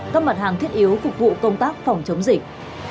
các mặt hàng thiết yếu phục vụ công tác phòng chống dịch